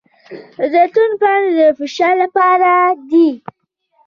د زیتون پاڼې د فشار لپاره دي.